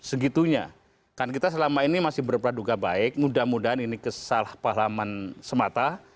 segitunya kan kita selama ini masih berperaduga baik mudah mudahan ini kesalah pahlaman semata